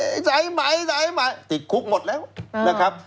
สอนอดสายไหมติดคุกหมดแล้วนะครับ